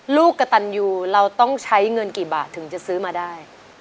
ลูกกระตันยูเราต้องใช้เงินกี่บาทถึงจะซื้อมาได้